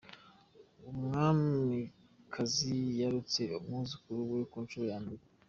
UmwamikaziYibarutse umwuzukuru we Kunshuro Yambere